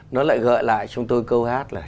nó lại gợi lại trong tôi câu hát là